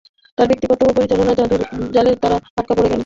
তাঁর ব্যক্তিত্ব ও পরিবেশনার জাদুর জালে তারা আটকা পড়ে যায়।